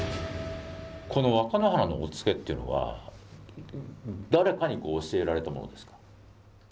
この若乃花のおっつけというのは誰かに教えられたものですか？